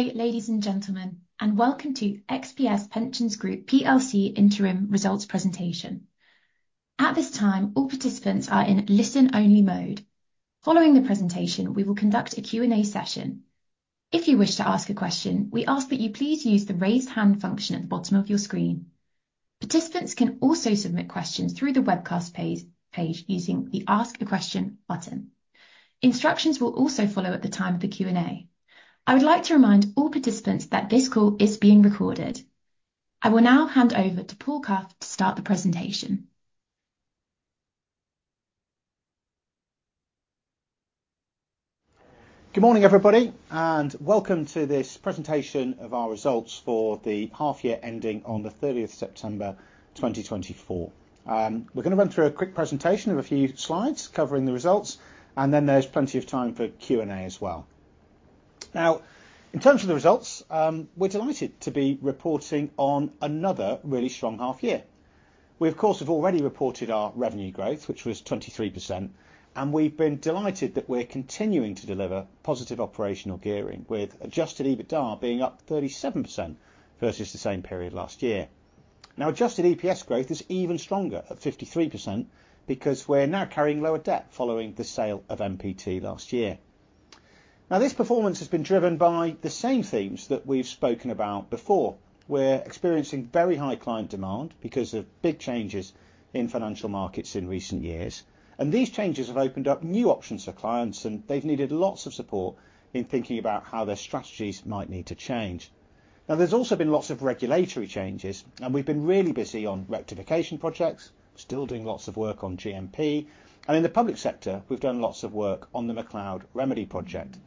Good day, ladies and gentlemen, and welcome to XPS Pensions Group PLC Interim Results Presentation. At this time, all participants are in listen-only mode. Following the presentation, we will conduct a Q&A session. If you wish to ask a question, we ask that you please use the raise hand function at the bottom of your screen. Participants can also submit questions through the webcast page using the ask a question button. Instructions will also follow at the time of the Q&A. I would like to remind all participants that this call is being recorded. I will now hand over to Paul Cuff to start the presentation. Good morning, everybody, and welcome to this presentation of our results for the half year ending on the 30th of September, 2024. We're going to run through a quick presentation of a few slides covering the results, and then there's plenty of time for Q&A as well. Now, in terms of the results, we're delighted to be reporting on another really strong half year. We, of course, have already reported our revenue growth, which was 23%, and we've been delighted that we're continuing to deliver positive operational gearing, with adjusted EBITDA being up 37% versus the same period last year. Now, adjusted EPS growth is even stronger at 53% because we're now carrying lower debt following the sale of NPT last year. Now, this performance has been driven by the same themes that we've spoken about before. We're experiencing very high client demand because of big changes in financial markets in recent years, and these changes have opened up new options for clients, and they've needed lots of support in thinking about how their strategies might need to change. Now, there's also been lots of regulatory changes, and we've been really busy on rectification projects, still doing lots of work on GMP, and in the public sector, we've done lots of work on the McCloud Remedy project.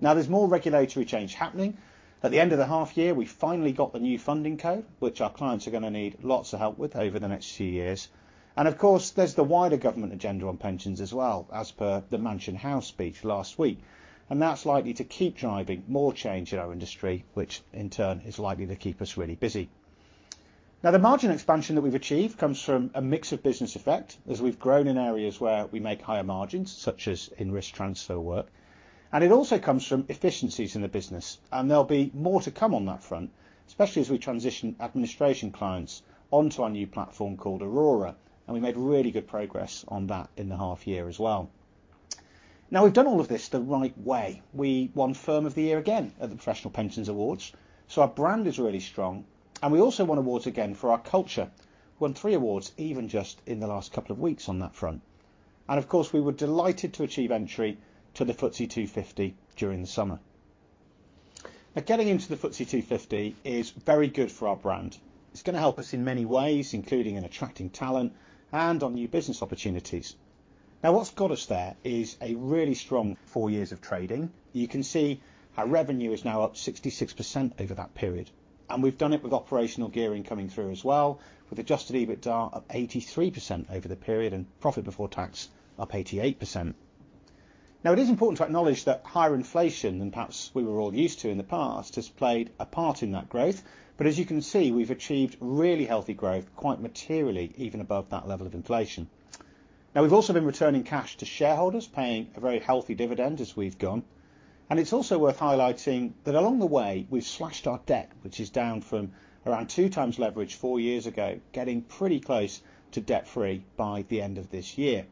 Now, there's more regulatory change happening. At the end of the half year, we finally got the new Funding Code, which our clients are going to need lots of help with over the next few years. Of course, there's the wider government agenda on pensions as well, as per the Mansion House Speech last week, and that's likely to keep driving more change in our industry, which in turn is likely to keep us really busy. Now, the margin expansion that we've achieved comes from a mix of business effect as we've grown in areas where we make higher margins, such as in risk transfer work, and it also comes from efficiencies in the business, and there'll be more to come on that front, especially as we transition administration clients onto our new platform called Aurora, and we made really good progress on that in the half year as well. Now, we've done all of this the right way. We won Firm of the Year again at the Professional Pensions Awards, so our brand is really strong, and we also won awards again for our culture. We won three awards even just in the last couple of weeks on that front, and of course, we were delighted to achieve entry to the FTSE 250 during the summer. Now, getting into the FTSE 250 is very good for our brand. It's going to help us in many ways, including in attracting talent and on new business opportunities. Now, what's got us there is a really strong four years of trading. You can see our revenue is now up 66% over that period, and we've done it with operational gearing coming through as well, with Adjusted EBITDA of 83% over the period and profit before tax of 88%. Now, it is important to acknowledge that higher inflation than perhaps we were all used to in the past has played a part in that growth, but as you can see, we've achieved really healthy growth, quite materially even above that level of inflation. Now, we've also been returning cash to shareholders, paying a very healthy dividend as we've gone, and it's also worth highlighting that along the way, we've slashed our debt, which is down from around two times leverage four years ago, getting pretty close to debt-free by the end of this year.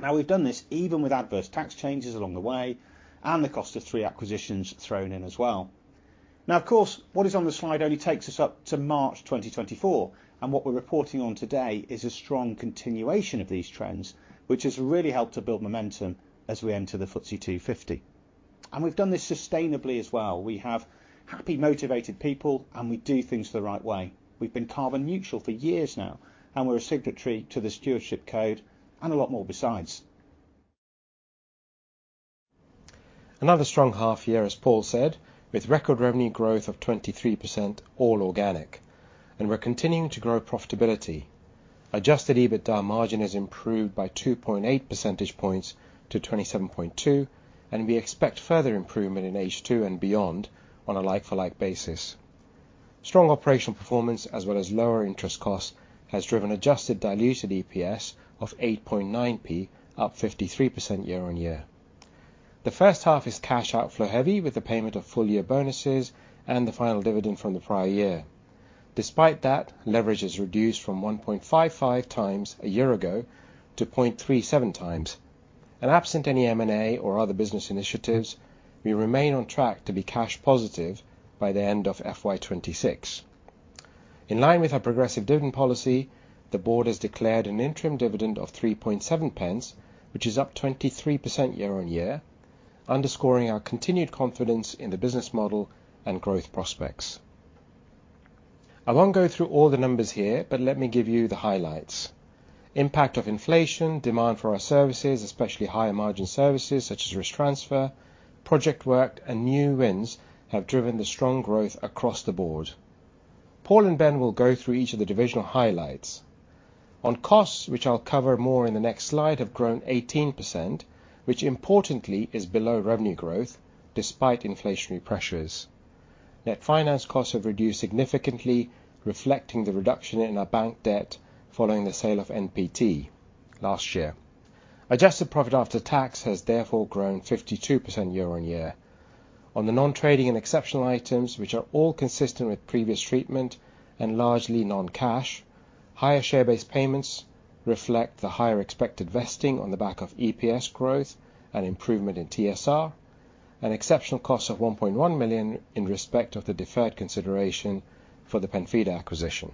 Now, we've done this even with adverse tax changes along the way and the cost of three acquisitions thrown in as well. Now, of course, what is on the slide only takes us up to March 2024, and what we're reporting on today is a strong continuation of these trends, which has really helped to build momentum as we enter the FTSE 250, and we've done this sustainably as well. We have happy, motivated people, and we do things the right way. We've been carbon neutral for years now, and we're a signatory to the Stewardship Code and a lot more besides. Another strong half year, as Paul said, with record revenue growth of 23%, all organic, and we're continuing to grow profitability. Adjusted EBITDA margin has improved by 2.8 percentage points to 27.2%, and we expect further improvement in H2 and beyond on a like-for-like basis. Strong operational performance, as well as lower interest costs, has driven adjusted diluted EPS of 8.9p, up 53% year on year. The first half is cash outflow heavy with the payment of full year bonuses and the final dividend from the prior year. Despite that, leverage is reduced from 1.55 times a year ago to 0.37 times, and absent any M&A or other business initiatives, we remain on track to be cash positive by the end of FY26. In line with our progressive dividend policy, the board has declared an interim dividend of 0.037, which is up 23% year on year, underscoring our continued confidence in the business model and growth prospects. I won't go through all the numbers here, but let me give you the highlights. Impact of inflation, demand for our services, especially higher margin services such as risk transfer, project work, and new wins have driven the strong growth across the board. Paul and Ben will go through each of the divisional highlights. On costs, which I'll cover more in the next slide, have grown 18%, which importantly is below revenue growth despite inflationary pressures. Net finance costs have reduced significantly, reflecting the reduction in our bank debt following the sale of NPT last year. Adjusted profit after tax has therefore grown 52% year on year. On the non-trading and exceptional items, which are all consistent with previous treatment and largely non-cash, higher share-based payments reflect the higher expected vesting on the back of EPS growth and improvement in TSR, and exceptional costs of 1.1 million in respect of the deferred consideration for the Penfida acquisition.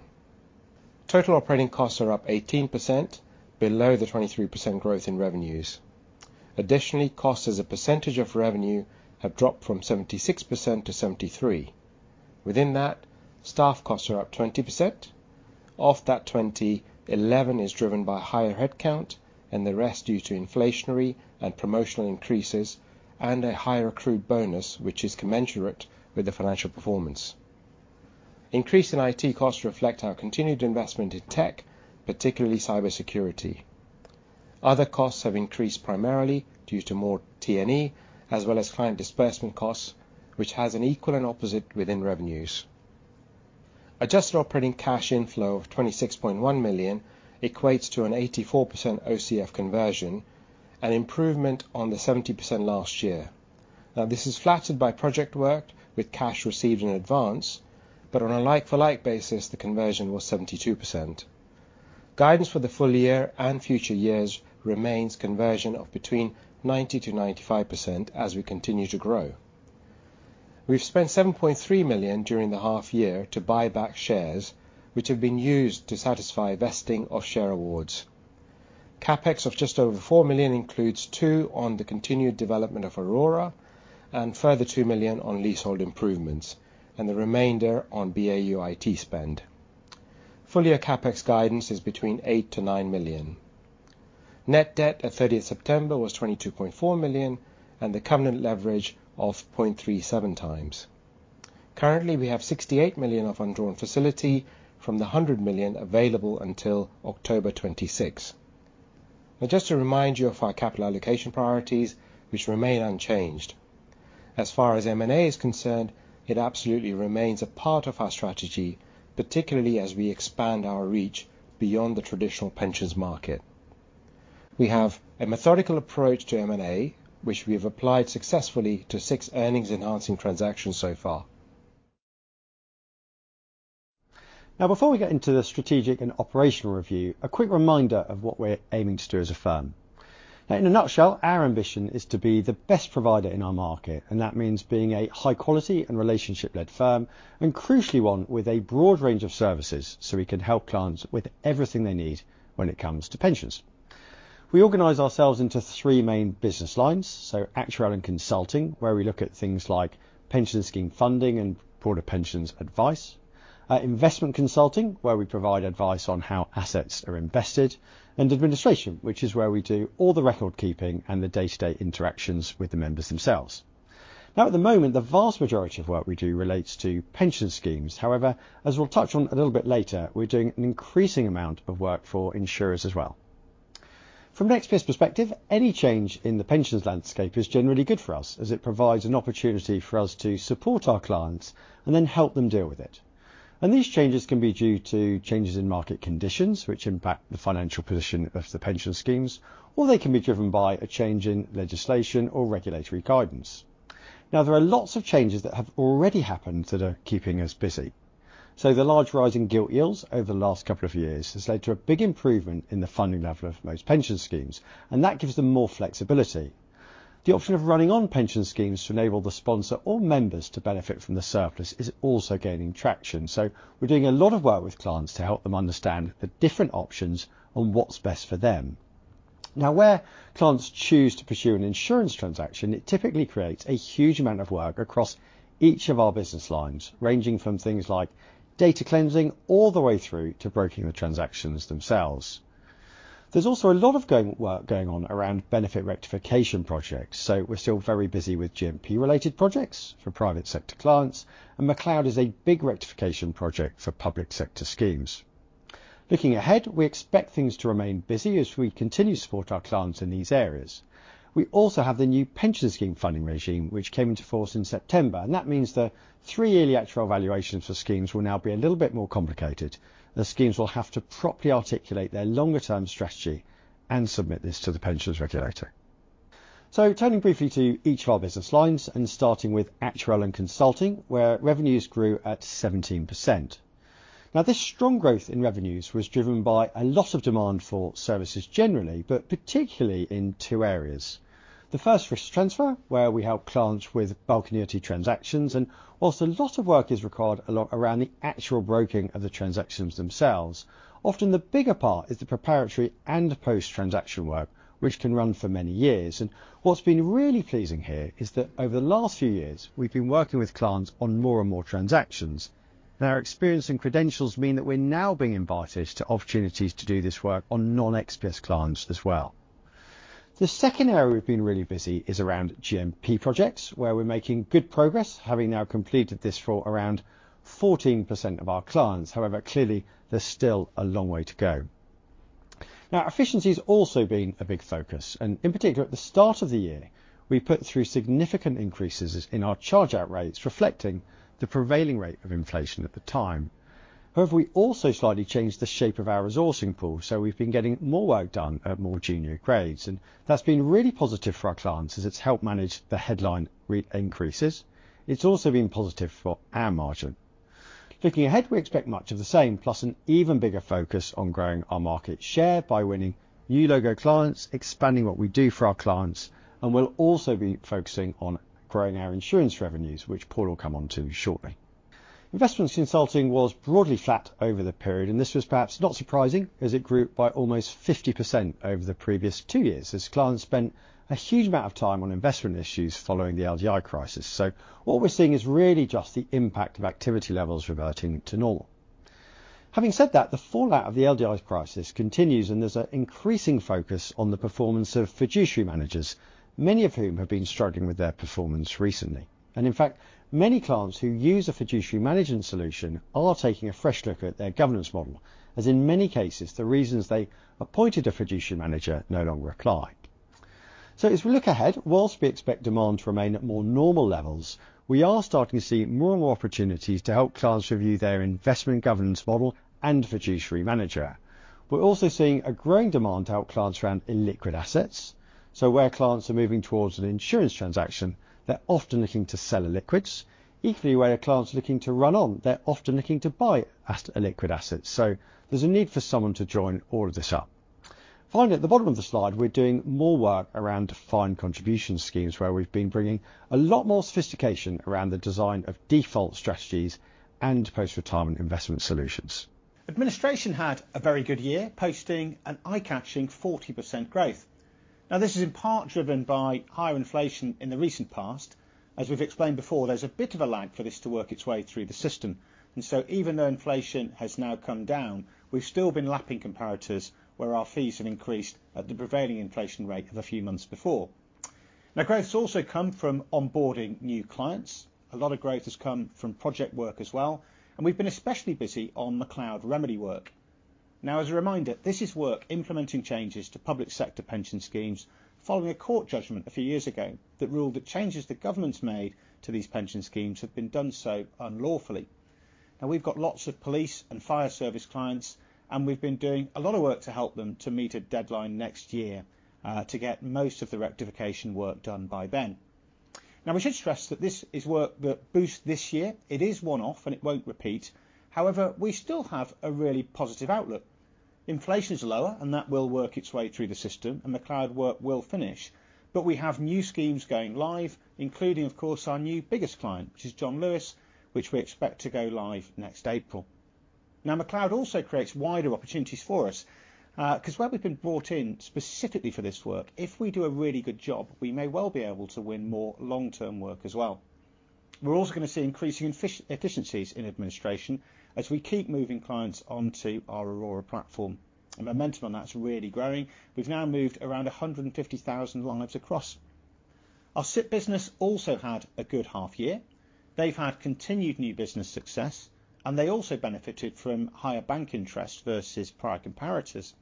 Total operating costs are up 18%, below the 23% growth in revenues. Additionally, costs as a percentage of revenue have dropped from 76% to 73%. Within that, staff costs are up 20%. Off that 20, 11 is driven by higher headcount and the rest due to inflationary and promotional increases and a higher accrued bonus, which is commensurate with the financial performance. Increase in IT costs reflect our continued investment in tech, particularly cybersecurity. Other costs have increased primarily due to more T&E, as well as client disbursement costs, which has an equal and opposite within revenues. Adjusted operating cash inflow of 26.1 million equates to an 84% OCF conversion, an improvement on the 70% last year. Now, this is flattened by project work with cash received in advance, but on a like-for-like basis, the conversion was 72%. Guidance for the full year and future years remains conversion of between 90%-95% as we continue to grow. We've spent 7.3 million during the half year to buy back shares, which have been used to satisfy vesting of share awards. CapEx of just over 4 million includes 2 million on the continued development of Aurora and a further 2 million on leasehold improvements, and the remainder on BAU IT spend. For the full year, our CapEx guidance is between 8 million and 9 million. Net debt at 30th September was 22.4 million, and the covenant leverage of 0.37 times. Currently, we have 68 million of undrawn facility from the 100 million available until October 26. Now, just to remind you of our capital allocation priorities, which remain unchanged. As far as M&A is concerned, it absolutely remains a part of our strategy, particularly as we expand our reach beyond the traditional pensions market. We have a methodical approach to M&A, which we have applied successfully to six earnings-enhancing transactions so far. Now, before we get into the strategic and operational review, a quick reminder of what we're aiming to do as a firm. Now, in a nutshell, our ambition is to be the best provider in our market, and that means being a high-quality and relationship-led firm, and crucially, one with a broad range of services so we can help clients with everything they need when it comes to pensions. We organize ourselves into three main business lines. So actuarial and consulting, where we look at things like pension scheme funding and broader pensions advice. Investment consulting, where we provide advice on how assets are invested. And administration, which is where we do all the record keeping and the day-to-day interactions with the members themselves. Now, at the moment, the vast majority of work we do relates to pension schemes. However, as we'll touch on a little bit later, we're doing an increasing amount of work for insurers as well. From an XPS perspective, any change in the pensions landscape is generally good for us, as it provides an opportunity for us to support our clients and then help them deal with it, and these changes can be due to changes in market conditions, which impact the financial position of the pension schemes, or they can be driven by a change in legislation or regulatory guidance. Now, there are lots of changes that have already happened that are keeping us busy, so the large rise in gilt yields over the last couple of years has led to a big improvement in the funding level of most pension schemes, and that gives them more flexibility. The option of running on pension schemes to enable the sponsor or members to benefit from the surplus is also gaining traction. So we're doing a lot of work with clients to help them understand the different options on what's best for them. Now, where clients choose to pursue an insurance transaction, it typically creates a huge amount of work across each of our business lines, ranging from things like data cleansing all the way through to broking the transactions themselves. There's also a lot of work going on around benefit rectification projects. So we're still very busy with GMP-related projects for private sector clients, and McCloud is a big rectification project for public sector schemes. Looking ahead, we expect things to remain busy as we continue to support our clients in these areas. We also have the new pension scheme funding regime, which came into force in September, and that means the three yearly actual valuations for schemes will now be a little bit more complicated. The schemes will have to properly articulate their longer-term strategy and submit this to the Pensions Regulator. So turning briefly to each of our business lines and starting with actuarial consulting, where revenues grew at 17%. Now, this strong growth in revenues was driven by a lot of demand for services generally, but particularly in two areas. The first, risk transfer, where we help clients with buy-in transactions, and whilst a lot of work is required around the actual broking of the transactions themselves, often the bigger part is the preparatory and post-transaction work, which can run for many years. And what's been really pleasing here is that over the last few years, we've been working with clients on more and more transactions. Now, our experience and credentials mean that we're now being invited to opportunities to do this work on non-XPS clients as well. The second area we've been really busy is around GMP projects, where we're making good progress, having now completed this for around 14% of our clients. However, clearly, there's still a long way to go. Now, efficiency has also been a big focus, and in particular, at the start of the year, we put through significant increases in our chargeout rates, reflecting the prevailing rate of inflation at the time. However, we also slightly changed the shape of our resourcing pool, so we've been getting more work done at more junior grades, and that's been really positive for our clients as it's helped manage the headline rate increases. It's also been positive for our margin. Looking ahead, we expect much of the same, plus an even bigger focus on growing our market share by winning new logo clients, expanding what we do for our clients, and we'll also be focusing on growing our insurance revenues, which Paul will come on to shortly. Investment consulting was broadly flat over the period, and this was perhaps not surprising as it grew by almost 50% over the previous two years as clients spent a huge amount of time on investment issues following the LDI crisis. So what we're seeing is really just the impact of activity levels reverting to normal. Having said that, the fallout of the LDI crisis continues, and there's an increasing focus on the performance of fiduciary managers, many of whom have been struggling with their performance recently. And in fact, many clients who use a fiduciary management solution are taking a fresh look at their governance model, as in many cases, the reasons they appointed a fiduciary manager no longer apply. So as we look ahead, whilst we expect demand to remain at more normal levels, we are starting to see more and more opportunities to help clients review their investment governance model and fiduciary manager. We're also seeing a growing demand to help clients around illiquid assets. So where clients are moving towards an insurance transaction, they're often looking to sell illiquids. Equally, where clients are looking to run on, they're often looking to buy illiquid assets. So there's a need for someone to join all of this up. Finally, at the bottom of the slide, we're doing more work around defined contribution schemes, where we've been bringing a lot more sophistication around the design of default strategies and post-retirement investment solutions. Administration had a very good year, posting an eye-catching 40% growth. Now, this is in part driven by higher inflation in the recent past. As we've explained before, there's a bit of a lag for this to work its way through the system. And so even though inflation has now come down, we've still been lapping comparators where our fees have increased at the prevailing inflation rate of a few months before. Now, growth has also come from onboarding new clients. A lot of growth has come from project work as well, and we've been especially busy on the McCloud remedy work. Now, as a reminder, this is work implementing changes to public sector pension schemes following a court judgment a few years ago that ruled that changes the government's made to these pension schemes have been done so unlawfully. Now, we've got lots of police and fire service clients, and we've been doing a lot of work to help them to meet a deadline next year to get most of the rectification work done by then. Now, we should stress that this is work that boosts this year. It is one-off, and it won't repeat. However, we still have a really positive outlook. Inflation is lower, and that will work its way through the system, and the McCloud work will finish. But we have new schemes going live, including, of course, our new biggest client, which is John Lewis, which we expect to go live next April. Now, McCloud also creates wider opportunities for us because where we've been brought in specifically for this work, if we do a really good job, we may well be able to win more long-term work as well. We're also going to see increasing efficiencies in administration as we keep moving clients onto our Aurora platform. And momentum on that is really growing. We've now moved around 150,000 lives across. Our SIP business also had a good half year. They've had continued new business success, and they also benefited from higher bank interest versus prior comparators.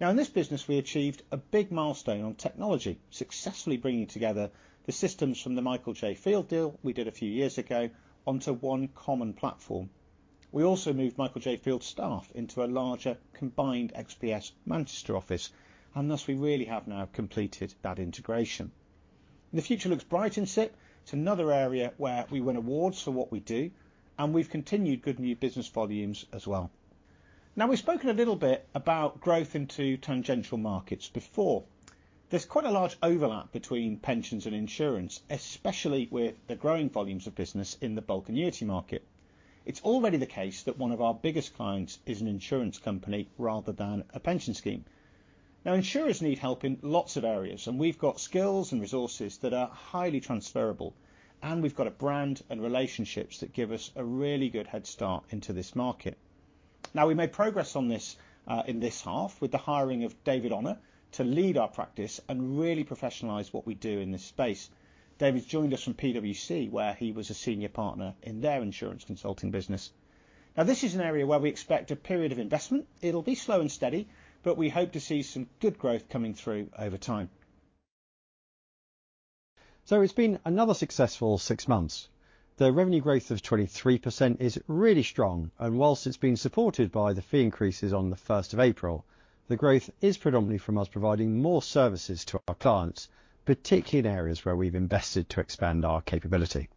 Now, in this business, we achieved a big milestone on technology, successfully bringing together the systems from the Michael J Field deal we did a few years ago onto one common platform. We also moved Michael J Field staff into a larger combined XPS Manchester office, and thus we really have now completed that integration. The future looks bright in SIP. It's another area where we win awards for what we do, and we've continued good new business volumes as well. Now, we've spoken a little bit about growth into tangential markets before. There's quite a large overlap between pensions and insurance, especially with the growing volumes of business in the buy-in market. It's already the case that one of our biggest clients is an insurance company rather than a pension scheme. Now, insurers need help in lots of areas, and we've got skills and resources that are highly transferable, and we've got a brand and relationships that give us a really good head start into this market. Now, we made progress on this in this half with the hiring of David Honour to lead our practice and really professionalize what we do in this space. David joined us from PwC, where he was a senior partner in their insurance consulting business. Now, this is an area where we expect a period of investment. It'll be slow and steady, but we hope to see some good growth coming through over time. So it's been another successful six months. The revenue growth of 23% is really strong, and while it's been supported by the fee increases on the April 1st, the growth is predominantly from us providing more services to our clients, particularly in areas where we've invested to expand our capability.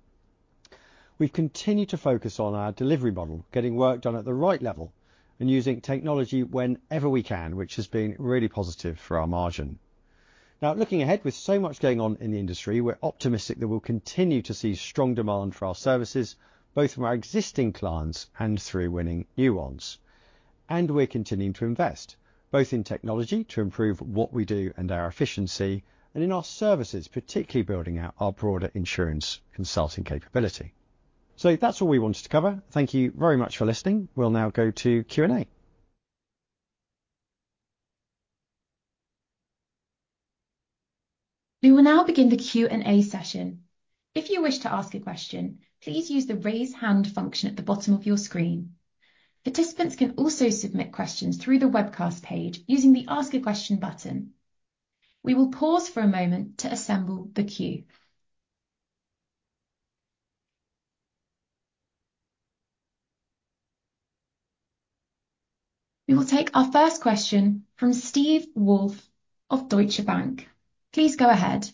We've continued to focus on our delivery model, getting work done at the right level and using technology whenever we can, which has been really positive for our margin. Now, looking ahead, with so much going on in the industry, we're optimistic that we'll continue to see strong demand for our services, both from our existing clients and through winning new ones. And we're continuing to invest, both in technology to improve what we do and our efficiency, and in our services, particularly building out our broader insurance consulting capability. So that's all we wanted to cover. Thank you very much for listening. We'll now go to Q&A. We will now begin the Q&A session. If you wish to ask a question, please use the raise hand function at the bottom of your screen. Participants can also submit questions through the webcast page using the ask a question button. We will pause for a moment to assemble the queue. We will take our first question from Steve Woolf of Deutsche Bank. Please go ahead.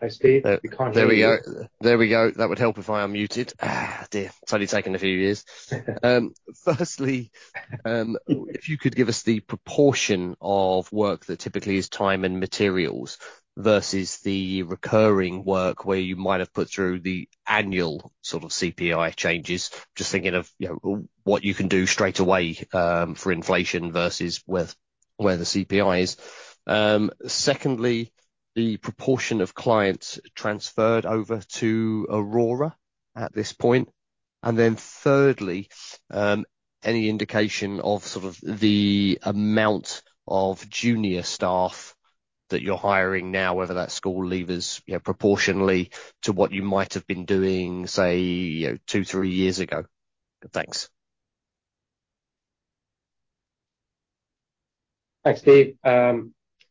Hi Steve. There we go. There we go. That would help if I was muted. It's taken a few years. Firstly, if you could give us the proportion of work that typically is time and materials versus the recurring work where you might have put through the annual sort of CPI changes, just thinking of what you can do straight away for inflation versus where the CPI is. Secondly, the proportion of clients transferred over to Aurora at this point. And then thirdly, any indication of sort of the amount of junior staff that you're hiring now, whether that's school leavers proportionally to what you might have been doing, say, two, three years ago. Thanks. Thanks, Steve.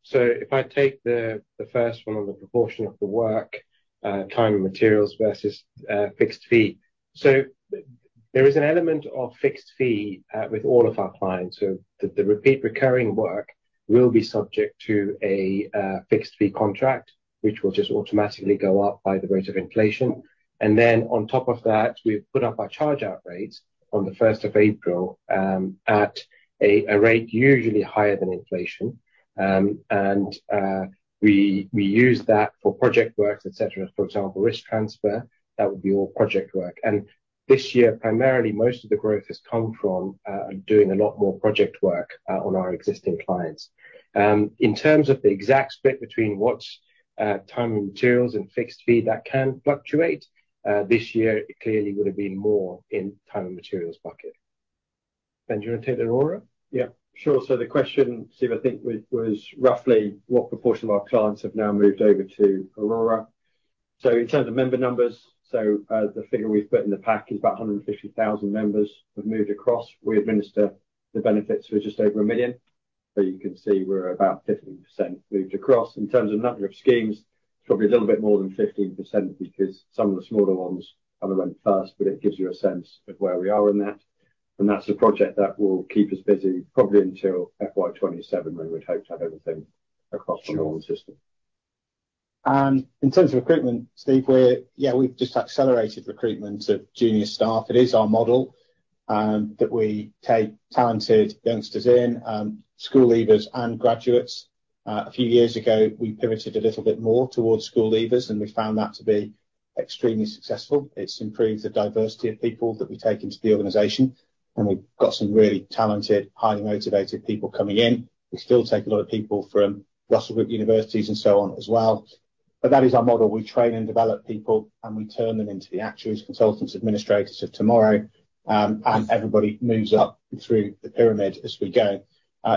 So if I take the first one on the proportion of the work, time and materials versus fixed fee. So there is an element of fixed fee with all of our clients. So the repeat recurring work will be subject to a fixed fee contract, which will just automatically go up by the rate of inflation. And then on top of that, we've put up our chargeout rates on the 1st of April at a rate usually higher than inflation. And we use that for project work, et cetera. For example, risk transfer, that would be all project work. And this year, primarily, most of the growth has come from doing a lot more project work on our existing clients. In terms of the exact split between what's time and materials and fixed fee, that can fluctuate. This year, it clearly would have been more in time and materials bucket. Ben, take the Aurora. Yeah. Sure. So the question, Steve, I think was roughly what proportion of our clients have now moved over to Aurora. In terms of member numbers, the figure we've put in the pack is about 150,000 members have moved across. We administer the benefits for just over a million. You can see we're about 15% moved across. In terms of number of schemes, it's probably a little bit more than 15% because some of the smaller ones kind of went first, but it gives you a sense of where we are in that. That's a project that will keep us busy probably until FY27, when we'd hope to have everything across the whole system. In terms of recruitment, Steve, yeah, we've just accelerated recruitment of junior staff. It is our model that we take talented youngsters in, school leavers, and graduates. A few years ago, we pivoted a little bit more towards school leavers, and we found that to be extremely successful. It's improved the diversity of people that we take into the organization, and we've got some really talented, highly motivated people coming in. We still take a lot of people from Russell Group universities and so on as well, but that is our model. We train and develop people, and we turn them into the actuaries, consultants, administrators of tomorrow, and everybody moves up through the pyramid as we go.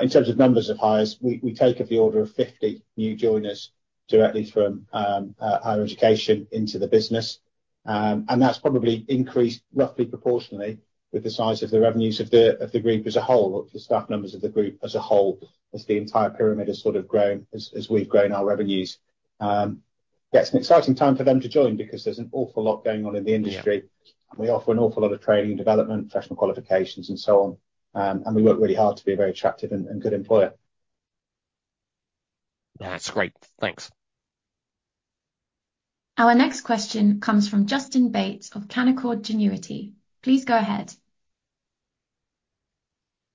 In terms of numbers of hires, we take of the order of 50 new joiners directly from higher education into the business, and that's probably increased roughly proportionally with the size of the revenues of the group as a whole, the staff numbers of the group as a whole, as the entire pyramid has sort of grown as we've grown our revenues. That's an exciting time for them to join because there's an awful lot going on in the industry. We offer an awful lot of training and development, professional qualifications, and so on. And we work really hard to be a very attractive and good employer. That's great. Thanks. Our next question comes from Justin Bates of Canaccord Genuity. Please go ahead.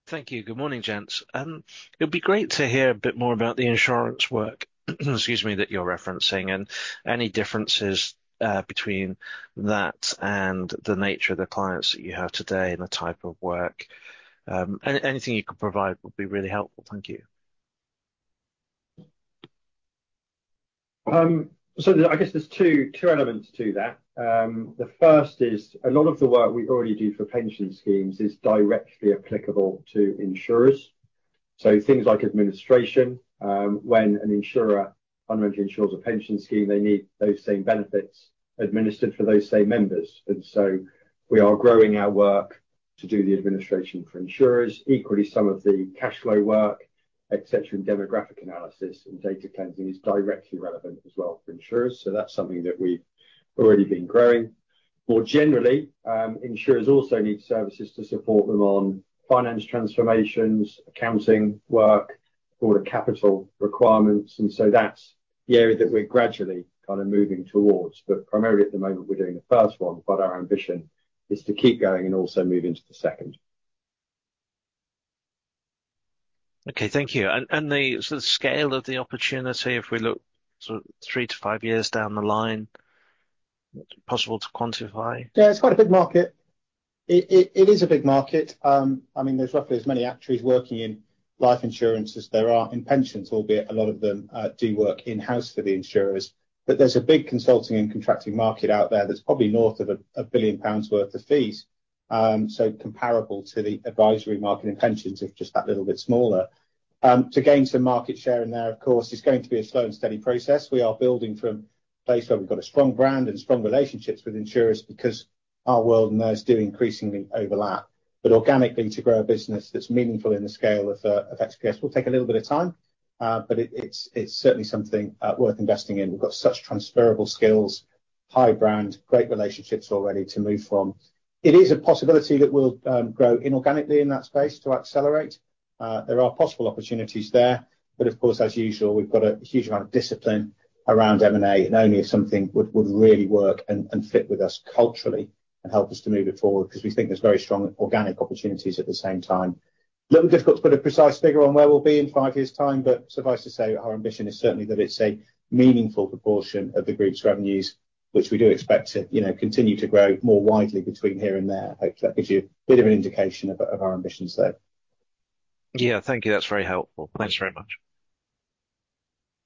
Thank you. Good morning, gents. It'll be great to hear a bit more about the insurance work, excuse me, that you're referencing and any differences between that and the nature of the clients that you have today and the type of work. Anything you can provide would be really helpful. Thank you. So I guess there's two elements to that. The first is a lot of the work we already do for pension schemes is directly applicable to insurers. So things like administration, when an insurer underwrites a pension scheme, they need those same benefits administered for those same members. And so we are growing our work to do the administration for insurers. Equally, some of the cash flow work, et cetera, and demographic analysis and data cleansing is directly relevant as well for insurers. So that's something that we've already been growing. More generally, insurers also need services to support them on finance transformations, accounting work, all the capital requirements. And so that's the area that we're gradually kind of moving towards. But primarily, at the moment, we're doing the first one, but our ambition is to keep going and also move into the second. Okay. Thank you. And the scale of the opportunity, if we look sort of three to five years down the line, possible to quantify? Yeah, it's quite a big market. It is a big market. I mean, there's roughly as many actuaries working in life insurance as there are in pensions, albeit a lot of them do work in-house for the insurers. But there's a big consulting and contracting market out there that's probably north of 1 billion pounds worth of fees. So comparable to the advisory market in pensions is just that little bit smaller. To gain some market share in there, of course, is going to be a slow and steady process. We are building from a place where we've got a strong brand and strong relationships with insurers because our world and those do increasingly overlap. But organically, to grow a business that's meaningful in the scale of XPS will take a little bit of time, but it's certainly something worth investing in. We've got such transferable skills, high brand, great relationships already to move from. It is a possibility that we'll grow inorganically in that space to accelerate. There are possible opportunities there. But of course, as usual, we've got a huge amount of discipline around M&A and only if something would really work and fit with us culturally and help us to move it forward because we think there's very strong organic opportunities at the same time. A little difficult to put a precise figure on where we'll be in five years' time, but suffice to say, our ambition is certainly that it's a meaningful proportion of the group's revenues, which we do expect to continue to grow more widely between here and there. Hopefully, that gives you a bit of an indication of our ambitions there. Yeah. Thank you. That's very helpful. Thanks very much.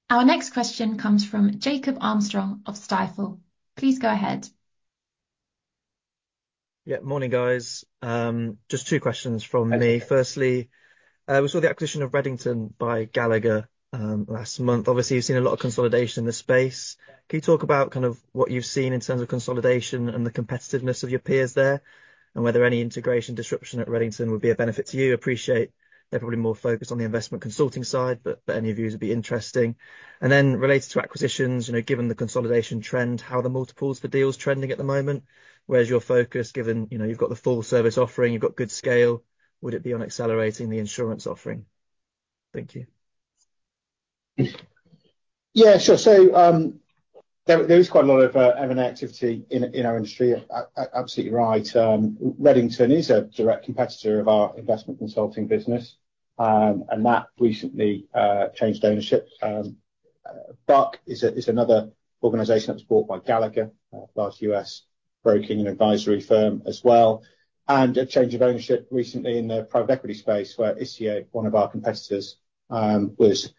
Our next question comes from Jacob Armstrong of Stifel. Please go ahead. Yeah. Morning, guys. Just two questions from me. Firstly, we saw the acquisition of Redington by Gallagher last month. Obviously, you've seen a lot of consolidation in the space. Can you talk about kind of what you've seen in terms of consolidation and the competitiveness of your peers there and whether any integration disruption at Redington would be a benefit to you? Appreciate they're probably more focused on the investment consulting side, but any input would be interesting. And then related to acquisitions, given the consolidation trend, how are the multiples for deals trending at the moment? Where's your focus given you've got the full service offering, you've got good scale? Would it be on accelerating the insurance offering? Thank you. Yeah, sure. So there is quite a lot of M&A activity in our industry. Absolutely right. Redington is a direct competitor of our investment consulting business, and that recently changed ownership. Buck is another organization that's bought by Gallagher, large US broking and advisory firm as well, and a change of ownership recently in the private equity space where Isio, one of our competitors, was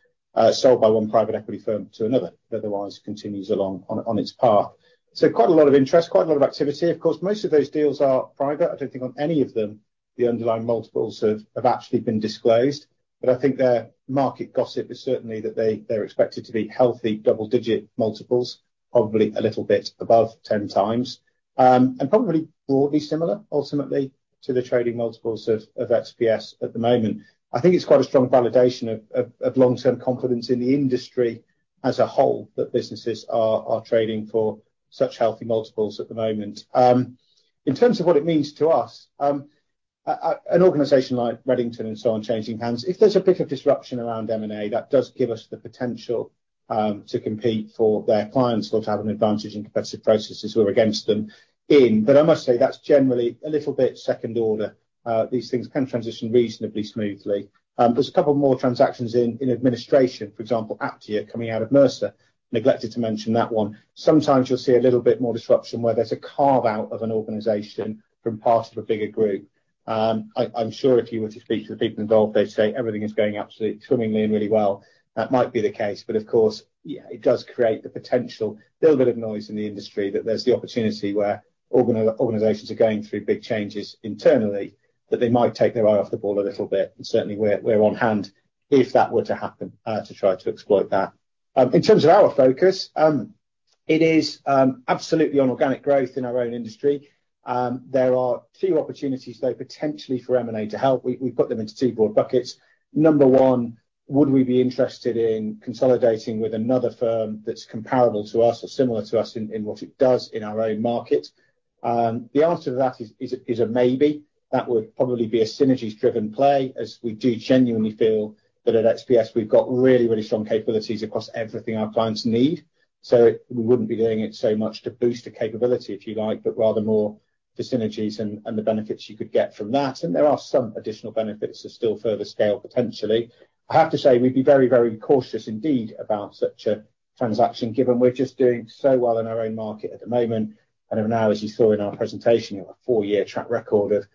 sold by one private equity firm to another, but otherwise continues along on its path, so quite a lot of interest, quite a lot of activity. Of course, most of those deals are private. I don't think on any of them the underlying multiples have actually been disclosed, but I think their market gossip is certainly that they're expected to be healthy double-digit multiples, probably a little bit above 10 times, and probably broadly similar ultimately to the trading multiples of XPS at the moment. I think it's quite a strong validation of long-term confidence in the industry as a whole that businesses are trading for such healthy multiples at the moment. In terms of what it means to us, an organization like Redington and so on changing hands, if there's a bit of disruption around M&A, that does give us the potential to compete for their clients to have an advantage in competitive processes we're against them in. But I must say that's generally a little bit second order. These things can transition reasonably smoothly. There's a couple more transactions in administration, for example, Aptia coming out of Mercer. Neglected to mention that one. Sometimes you'll see a little bit more disruption where there's a carve-out of an organization from part of a bigger group. I'm sure if you were to speak to the people involved, they'd say everything is going absolutely swimmingly and really well. That might be the case. But of course, it does create the potential, a little bit of noise in the industry that there's the opportunity where organizations are going through big changes internally that they might take their eye off the ball a little bit, and certainly, we're on hand if that were to happen to try to exploit that. In terms of our focus, it is absolutely on organic growth in our own industry. There are two opportunities, though, potentially for M&A to help. We put them into two broad buckets. Number one, would we be interested in consolidating with another firm that's comparable to us or similar to us in what it does in our own market? The answer to that is a maybe. That would probably be a synergies-driven play as we do genuinely feel that at XPS, we've got really, really strong capabilities across everything our clients need. So we wouldn't be doing it so much to boost a capability, if you like, but rather more the synergies and the benefits you could get from that. And there are some additional benefits of still further scale potentially. I have to say we'd be very, very cautious indeed about such a transaction given we're just doing so well in our own market at the moment. And now, as you saw in our presentation, we have a four-year track record of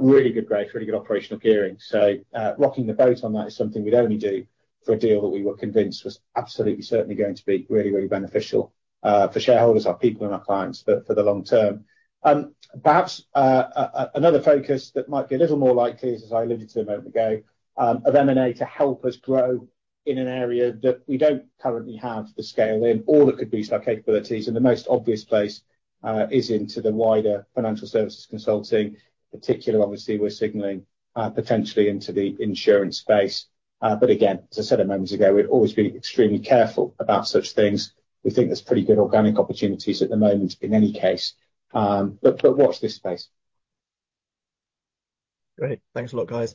really good growth, really good operational gearing. So rocking the boat on that is something we'd only do for a deal that we were convinced was absolutely certainly going to be really, really beneficial for shareholders, our people, and our clients for the long term. Perhaps another focus that might be a little more likely is, as I alluded to a moment ago, of M&A to help us grow in an area that we don't currently have the scale in, or that could boost our capabilities. And the most obvious place is into the wider financial services consulting, particularly, obviously, we're signaling potentially into the insurance space. But again, as I said a moment ago, we'd always be extremely careful about such things. We think there's pretty good organic opportunities at the moment in any case. But watch this space. Great. Thanks a lot, guys.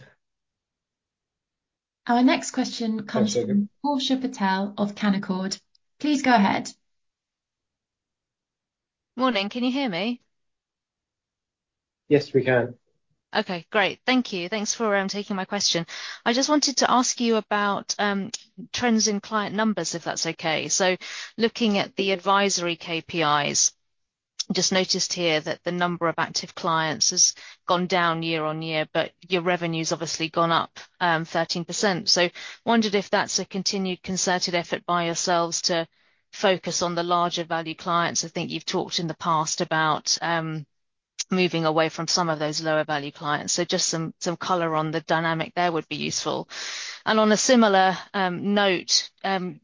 Our next question comes from of Canaccord. Please go ahead. Morning. Can you hear me? Yes, we can. Okay. Great. Thank you. Thanks for taking my question. I just wanted to ask you about trends in client numbers, if that's okay. Looking at the advisory KPIs, just noticed here that the number of active clients has gone down year on year, but your revenue's obviously gone up 13%. Wondered if that's a continued concerted effort by yourselves to focus on the larger value clients. I think you've talked in the past about moving away from some of those lower value clients. Just some color on the dynamic there would be useful. And on a similar note,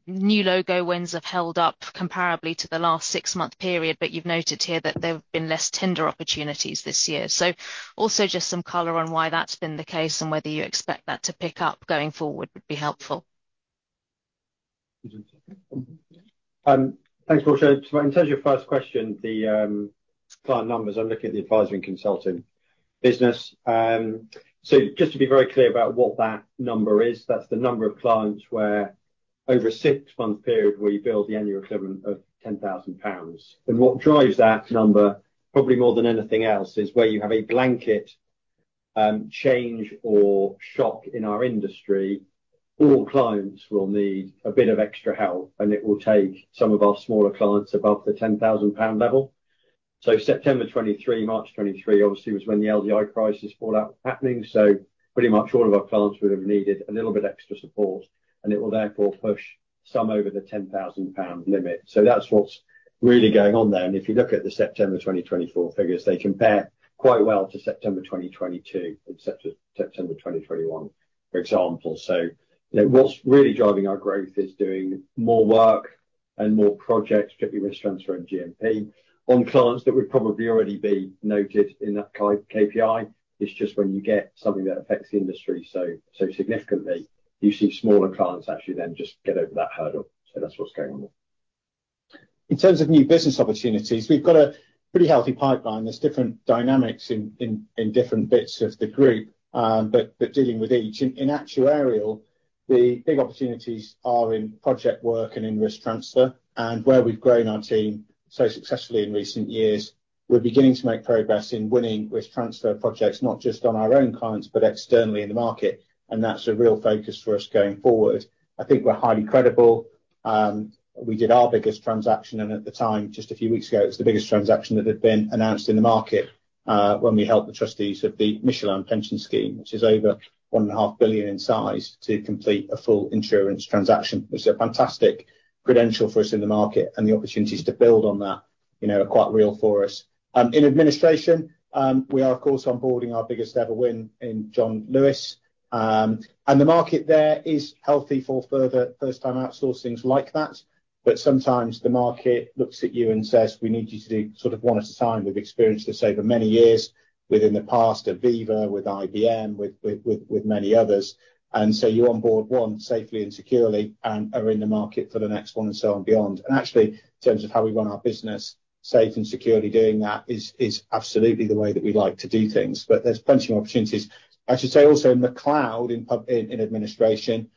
new logo wins have held up comparably to the last six-month period, but you've noted here that there have been less tender opportunities this year. Also just some color on why that's been the case and whether you expect that to pick up going forward would be helpful. Thanks. In terms of your first question, the client numbers, I'm looking at the advisory and consulting business. So just to be very clear about what that number is, that's the number of clients where over a six-month period, we build the annual equivalent of 10,000 pounds. And what drives that number, probably more than anything else, is where you have a blanket change or shock in our industry, all clients will need a bit of extra help, and it will take some of our smaller clients above the 10,000 pound level. So September 2023, March 2023, obviously, was when the LDI crisis was happening. So pretty much all of our clients would have needed a little bit extra support, and it will therefore push some over the 10,000 pound limit. So that's what's really going on there. And if you look at the September 2024 figures, they compare quite well to September 2022 and September 2021, for example. So what's really driving our growth is doing more work and more projects, particularly with transfer and GMP, on clients that would probably already be noted in that KPI. It's just when you get something that affects the industry so significantly, you see smaller clients actually then just get over that hurdle. So that's what's going on. In terms of new business opportunities, we've got a pretty healthy pipeline. There's different dynamics in different bits of the group, but dealing with each. In actuarial, the big opportunities are in project work and in risk transfer. And where we've grown our team so successfully in recent years, we're beginning to make progress in winning risk transfer projects, not just on our own clients, but externally in the market. And that's a real focus for us going forward. I think we're highly credible. We did our biggest transaction, and at the time, just a few weeks ago, it was the biggest transaction that had been announced in the market when we helped the trustees of the Michelin pension scheme, which is over £1.5 billion in size, to complete a full insurance transaction. It's a fantastic credential for us in the market, and the opportunities to build on that are quite real for us. In administration, we are, of course, onboarding our biggest ever win in John Lewis, and the market there is healthy for further first-time outsourcings like that, but sometimes the market looks at you and says, "We need you to do sort of one at a time." We've experienced this over many years within the past at Aviva, with IBM, with many others. So you onboard one safely and securely and are in the market for the next one and so on and beyond. Actually, in terms of how we run our business, safe and securely doing that is absolutely the way that we like to do things. But there's plenty of opportunities. I should say also in the McCloud, in administration,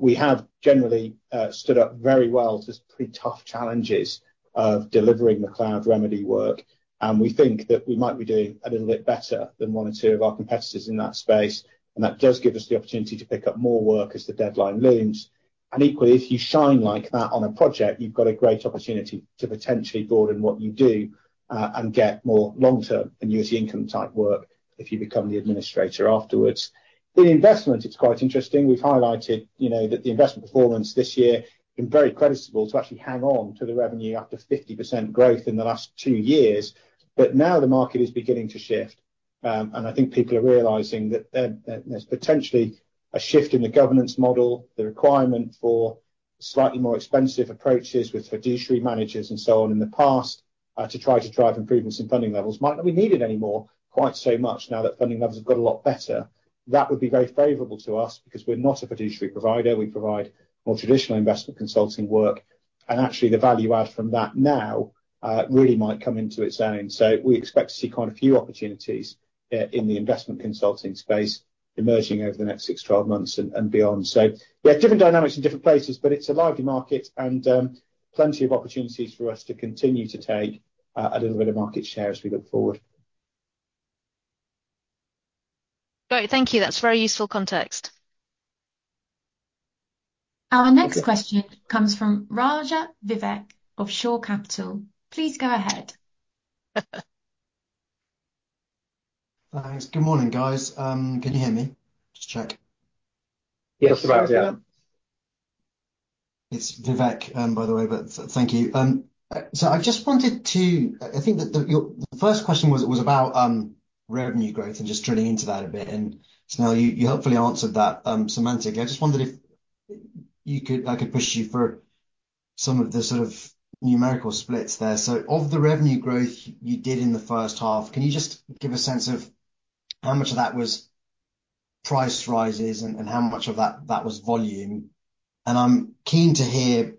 we have generally stood up very well to pretty tough challenges of delivering the McCloud remedy work. And we think that we might be doing a little bit better than one or two of our competitors in that space. And that does give us the opportunity to pick up more work as the deadline looms. And equally, if you shine like that on a project, you've got a great opportunity to potentially broaden what you do and get more long-term and utility income type work if you become the administrator afterwards. In investment, it's quite interesting. We've highlighted that the investment performance this year has been very creditable to actually hang on to the revenue after 50% growth in the last two years. But now the market is beginning to shift. And I think people are realizing that there's potentially a shift in the governance model, the requirement for slightly more expensive approaches with fiduciary managers and so on in the past to try to drive improvements in funding levels. Might not be needed anymore quite so much now that funding levels have got a lot better. That would be very favorable to us because we're not a fiduciary provider. We provide more traditional investment consulting work. And actually, the value add from that now really might come into its own. So we expect to see quite a few opportunities in the investment consulting space emerging over the next 6, 12 months and beyond. So yeah, different dynamics in different places, but it's a lively market and plenty of opportunities for us to continue to take a little bit of market share as we look forward. Great. Thank you. That's very useful context. Our next question comes from Vivek Raja of Shore Capital. Please go ahead. Thanks. Good morning, guys. Can you hear me? Just check. Yes, Raja there. It's Vivek, by the way, but thank you. So I just wanted to, I think that the first question was about revenue growth and just drilling into that a bit. And so now you hopefully answered that semantically. I just wondered if I could push you for some of the sort of numerical splits there. So of the revenue growth you did in the first half, can you just give a sense of how much of that was price rises and how much of that was volume? And I'm keen to hear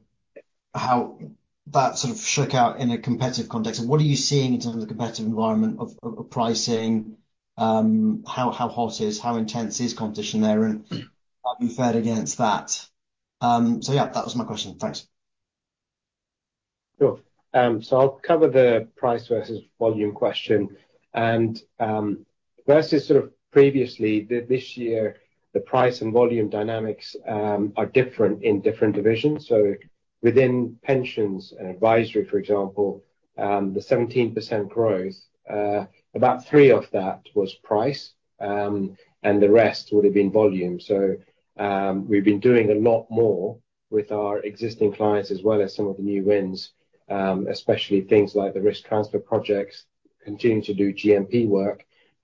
how that sort of shook out in a competitive context. What are you seeing in terms of the competitive environment of pricing? How hot is, how intense is competition there? And how do you fare against that? So yeah, that was my question. Thanks. Sure. So I'll cover the price versus volume question. And versus sort of previously, this year, the price and volume dynamics are different in different divisions. So within pensions and advisory, for example, the 17% growth, about three of that was price, and the rest would have been volume. So we've been doing a lot more with our existing clients as well as some of the new wins, especially things like the risk transfer projects, continuing to do GMP work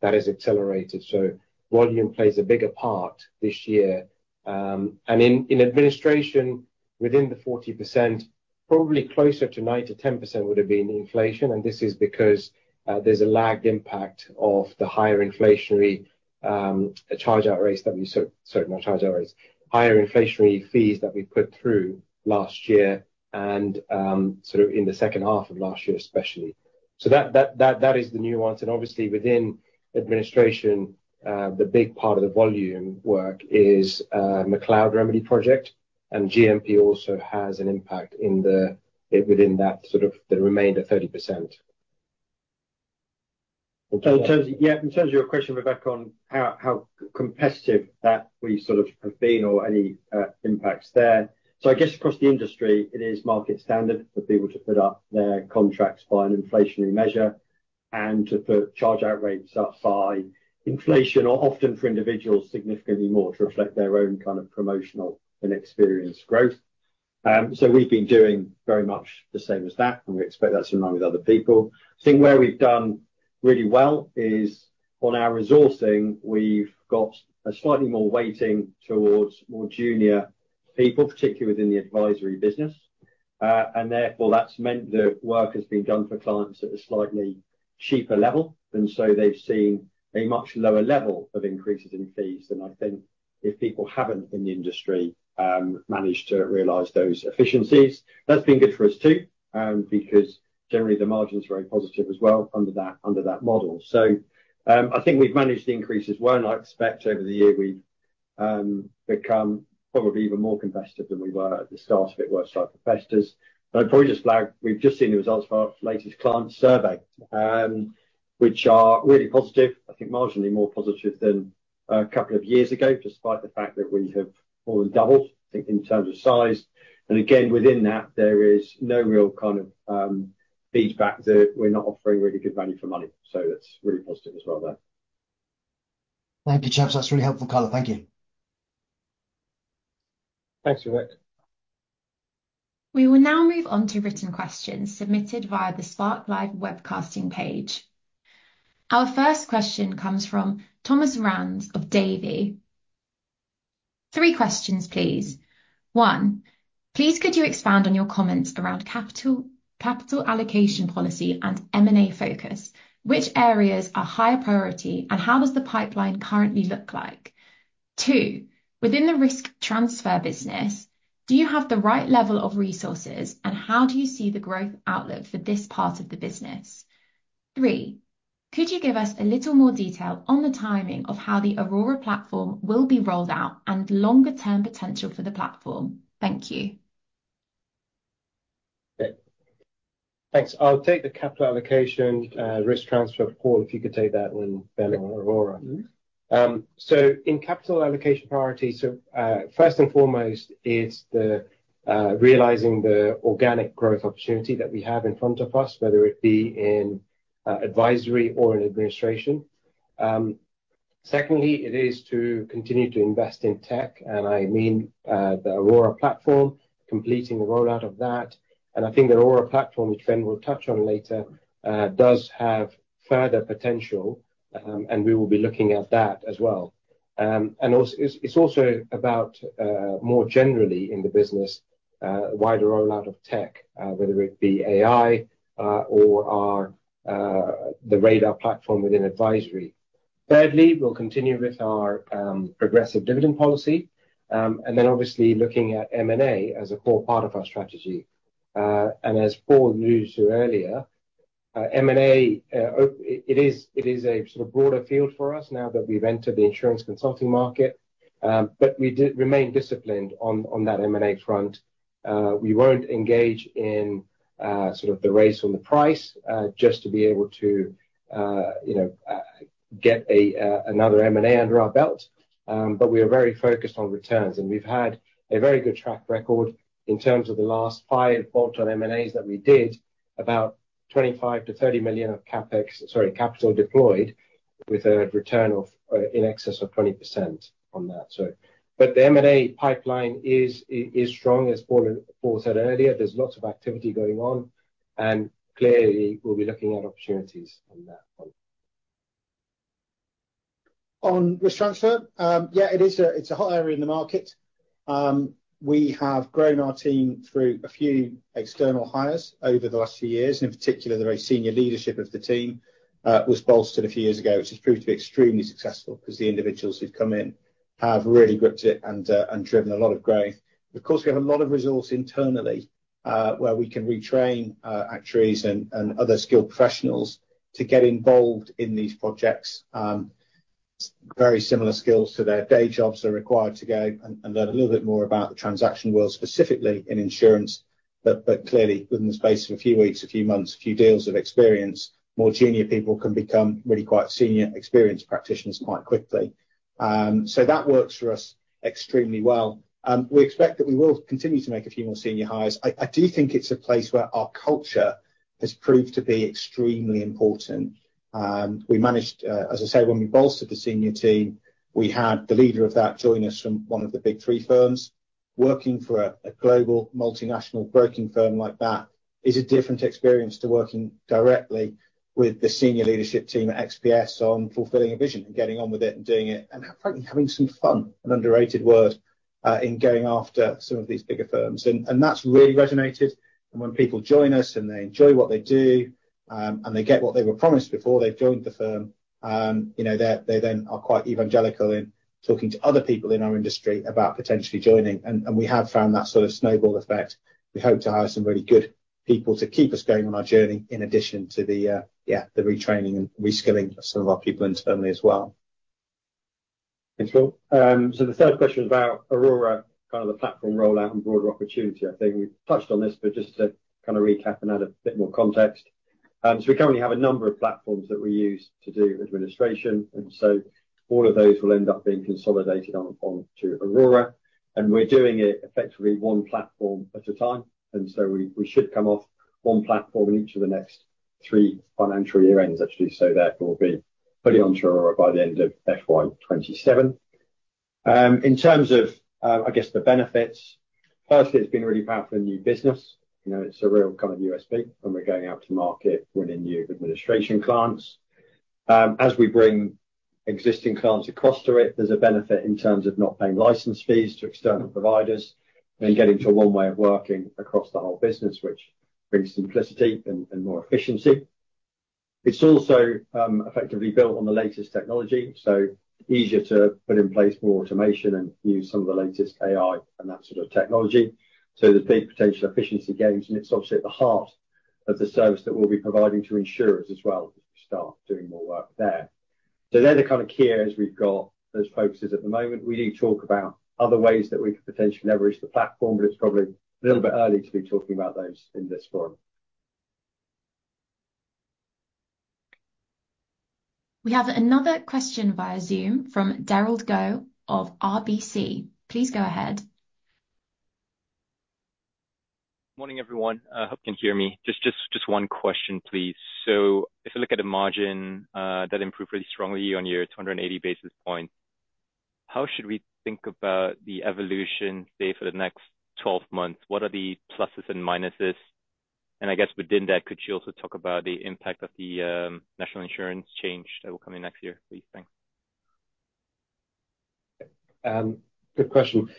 that has accelerated. So volume plays a bigger part this year. And in administration, within the 40%, probably closer to 9% - 10% would have been inflation. And this is because there's a lagged impact of the higher inflationary chargeout rates that we, sorry, not chargeout rates, higher inflationary fees that we put through last year and sort of in the second half of last year, especially. So that is the nuance. And obviously, within administration, the big part of the volume work is the McCloud remedy project. And GMP also has an impact within that sort of the remainder 30%. Yeah, in terms of your question, Vivek, on how competitive that we sort of have been or any impacts there. So I guess across the industry, it is market standard for people to put up their contracts by an inflationary measure and to put chargeout rates up by inflation, or often for individuals, significantly more to reflect their own kind of promotional and experience growth. So we've been doing very much the same as that, and we expect that's in line with other people. I think where we've done really well is on our resourcing. We've got a slightly more weighting towards more junior people, particularly within the advisory business. And therefore, that's meant that work has been done for clients at a slightly cheaper level. And so they've seen a much lower level of increases in fees than I think people have in the industry managed to realize those efficiencies. That's been good for us too because generally, the margins are very positive as well under that model. So I think we've managed the increases well, and I expect over the year we've become probably even more competitive than we were at the start of it versus competitors. But I've probably just flagged we've just seen the results of our latest client survey, which are really positive, I think marginally more positive than a couple of years ago, despite the fact that we have more than doubled, I think, in terms of size. And again, within that, there is no real kind of feedback that we're not offering really good value for money. So that's really positive as well there. Thank you, gents. That's really helpful, color. Thank you. Thanks, Vivek. We will now move on to written questions submitted via the Spark Live webcasting page. Our first question comes from Thomas Rands of Davy. Three questions, please. One, please could you expand on your comments around capital allocation policy and M&A focus? Which areas are higher priority, and how does the pipeline currently look like? Two, within the risk transfer business, do you have the right level of resources, and how do you see the growth outlook for this part of the business? Three, could you give us a little more detail on the timing of how the Aurora platform will be rolled out and longer-term potential for the platform? Thank you. Thanks. I'll take the capital allocation, risk transfer. Paul, if you could take that one, Ben or Aurora. So in capital allocation priority, so first and foremost is realizing the organic growth opportunity that we have in front of us, whether it be in advisory or in administration. Secondly, it is to continue to invest in tech, and I mean the Aurora platform, completing the rollout of that. And I think the Aurora platform, which Ben will touch on later, does have further potential, and we will be looking at that as well. And it's also about more generally in the business, wider rollout of tech, whether it be AI or the Radar platform within advisory. Thirdly, we'll continue with our progressive dividend policy. And then obviously looking at M&A as a core part of our strategy. And as Paul alluded to earlier, M&A, it is a sort of broader field for us now that we've entered the insurance consulting market, but we remain disciplined on that M&A front. We won't engage in sort of the race on the price just to be able to get another M&A under our belt, but we are very focused on returns. And we've had a very good track record in terms of the last five bolt-on M&As that we did, about 25 - 30 million of Capex, sorry, capital deployed with a return in excess of 20% on that. But the M&A pipeline is strong, as Paul said earlier. There's lots of activity going on, and clearly, we'll be looking at opportunities on that one. On risk transfer, yeah, it's a hot area in the market. We have grown our team through a few external hires over the last few years. In particular, the very senior leadership of the team was bolstered a few years ago, which has proved to be extremely successful because the individuals who've come in have really gripped it and driven a lot of growth. Of course, we have a lot of resource internally where we can retrain actuaries and other skilled professionals to get involved in these projects. Very similar skills to their day jobs are required to go and learn a little bit more about the transaction world, specifically in insurance. But clearly, within the space of a few weeks, a few months, a few deals of experience, more junior people can become really quite senior experienced practitioners quite quickly. So that works for us extremely well. We expect that we will continue to make a few more senior hires. I do think it's a place where our culture has proved to be extremely important. We managed, as I say, when we bolstered the senior team, we had the leader of that join us from one of the big three firms. Working for a global multinational broking firm like that is a different experience to working directly with the senior leadership team at XPS on fulfilling a vision and getting on with it and doing it and frankly having some fun, an underrated word, in going after some of these bigger firms. And that's really resonated. And when people join us and they enjoy what they do and they get what they were promised before they've joined the firm, they then are quite evangelical in talking to other people in our industry about potentially joining. And we have found that sort of snowball effect. We hope to hire some really good people to keep us going on our journey in addition to the, yeah, the retraining and reskilling of some of our people internally as well. Thanks, Paul. The third question is about Aurora, kind of the platform rollout and broader opportunity. I think we've touched on this, but just to kind of recap and add a bit more context. We currently have a number of platforms that we use to do administration. And so all of those will end up being consolidated onto Aurora. And we're doing it effectively one platform at a time. And so we should come off one platform in each of the next three financial year ends, actually. Therefore, we'll be fully onto Aurora by the end of FY27. In terms of, I guess, the benefits, firstly, it's been really powerful in new business. It's a real kind of USP when we're going out to market with new administration clients. As we bring existing clients across to it, there's a benefit in terms of not paying license fees to external providers and getting to one way of working across the whole business, which brings simplicity and more efficiency. It's also effectively built on the latest technology, so easier to put in place more automation and use some of the latest AI and that sort of technology, so there's big potential efficiency gains, and it's obviously at the heart of the service that we'll be providing to insurers as well as we start doing more work there, so they're the kind of key areas we've got as focuses at the moment. We do talk about other ways that we could potentially leverage the platform, but it's probably a little bit early to be talking about those in this forum. We have another question via Zoom from Derald Goh of RBC. Please go ahead. Morning, everyone. I hope you can hear me. Just one question, please. So if you look at a margin that improved really strongly on your 280 basis points, how should we think about the evolution, say, for the next 12 months? What are the pluses and minuses? And I guess within that, could you also talk about the impact of the National Insurance change that will come in next year, please? Thanks. Good question.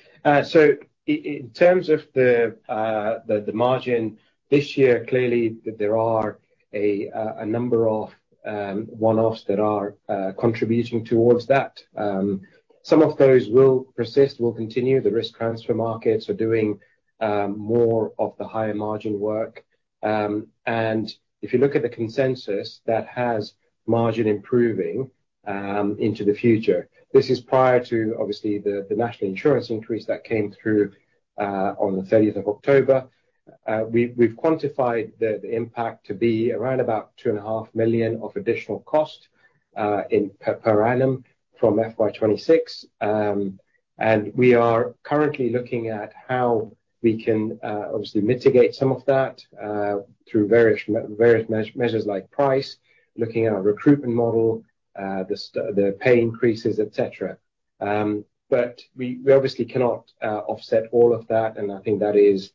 So in terms of the margin this year, clearly, there are a number of one-offs that are contributing towards that. Some of those will persist, will continue. The risk transfer markets are doing more of the higher margin work. And if you look at the consensus that has margin improving into the future, this is prior to, obviously, the National Insurance increase that came through on the October 30th. We've quantified the impact to be around about 2.5 million of additional cost per annum from FY26. And we are currently looking at how we can obviously mitigate some of that through various measures like price, looking at our recruitment model, the pay increases, etc. But we obviously cannot offset all of that, and I think that is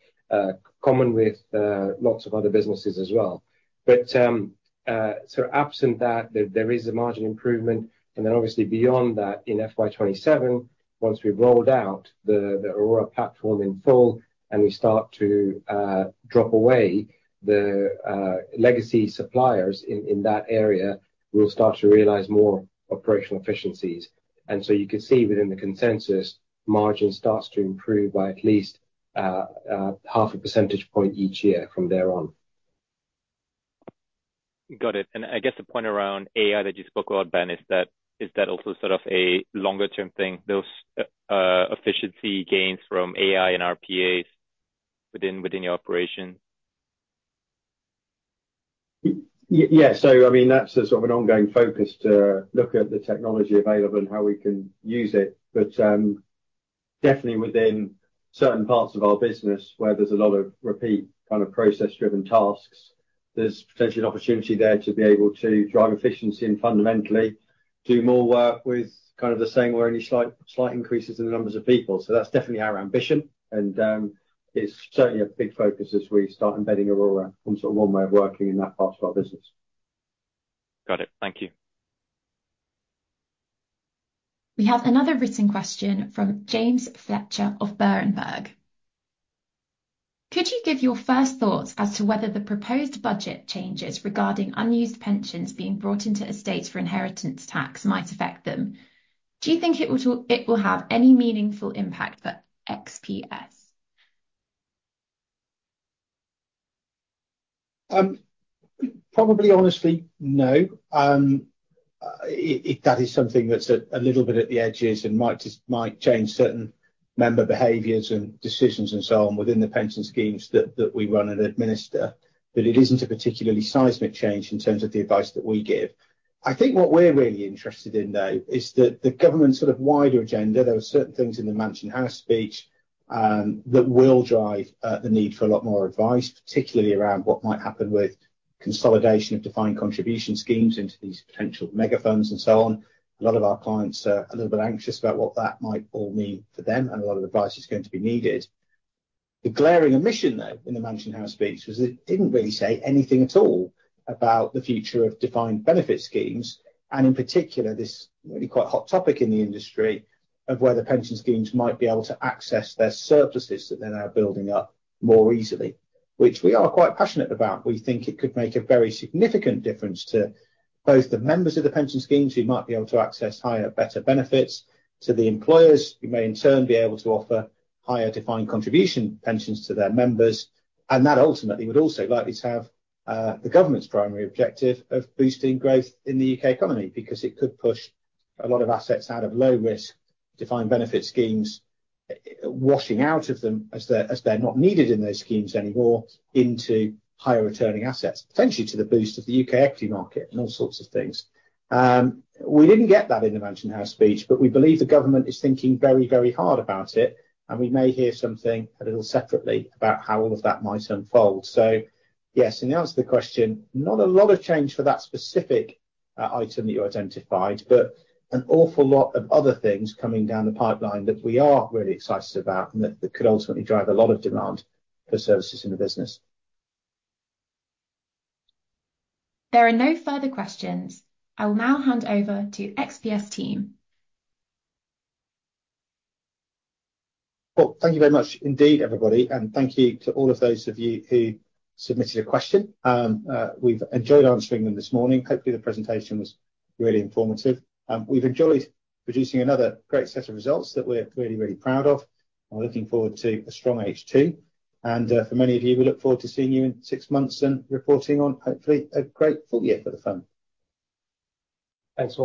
common with lots of other businesses as well. But so absent that, there is a margin improvement. Then obviously, beyond that, in FY27, once we've rolled out the Aurora platform in full and we start to drop away the legacy suppliers in that area, we'll start to realize more operational efficiencies. So you can see within the consensus, margin starts to improve by at least 0.5 percentage point each year from there on. Got it. I guess the point around AI that you spoke about, Ben, is that also sort of a longer-term thing, those efficiency gains from AI and RPAs within your operation? Yeah. So I mean, that's sort of an ongoing focus to look at the technology available and how we can use it. But definitely within certain parts of our business where there's a lot of repeat kind of process-driven tasks, there's potentially an opportunity there to be able to drive efficiency and fundamentally do more work with kind of the same or any slight increases in the numbers of people. So that's definitely our ambition. And it's certainly a big focus as we start embedding Aurora on sort of one way of working in that part of our business. Got it. Thank you. We have another written question from James Fletcher of Berenberg. Could you give your first thoughts as to whether the proposed budget changes regarding unused pensions being brought into estates for inheritance tax might affect them? Do you think it will have any meaningful impact for XPS? Probably, honestly, no. That is something that's a little bit at the edges and might change certain member behaviors and decisions and so on within the pension schemes that we run and administer. But it isn't a particularly seismic change in terms of the advice that we give. I think what we're really interested in, though, is the government's sort of wider agenda. There are certain things in the Mansion House Speech that will drive the need for a lot more advice, particularly around what might happen with consolidation of defined contribution schemes into these potential mega funds and so on. A lot of our clients are a little bit anxious about what that might all mean for them, and a lot of advice is going to be needed. The glaring omission, though, in the Mansion House speech was that it didn't really say anything at all about the future of defined benefit schemes. And in particular, this really quite hot topic in the industry of where the pension schemes might be able to access their surpluses that they're now building up more easily, which we are quite passionate about. We think it could make a very significant difference to both the members of the pension schemes. We might be able to access higher, better benefits to the employers. We may in turn be able to offer higher defined contribution pensions to their members. And that ultimately would also likely to have the government's primary objective of boosting growth in the U.K. economy because it could push a lot of assets out of low-risk defined benefit schemes, washing out of them as they're not needed in those schemes anymore into higher returning assets, potentially to the boost of the U.K. equity market and all sorts of things. We didn't get that in the Mansion House Speech, but we believe the government is thinking very, very hard about it, and we may hear something a little separately about how all of that might unfold, so yes, in the answer to the question, not a lot of change for that specific item that you identified, but an awful lot of other things coming down the pipeline that we are really excited about and that could ultimately drive a lot of demand for services in the business. There are no further questions. I will now hand over to XPS team. Well, thank you very much indeed, everybody, and thank you to all of those of you who submitted a question. We've enjoyed answering them this morning. Hopefully, the presentation was really informative. We've enjoyed producing another great set of results that we're really, really proud of. We're looking forward to a strong H2, and for many of you, we look forward to seeing you in six months and reporting on hopefully a great full year for the fund. Thanks a lot.